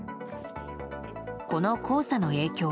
この黄砂の影響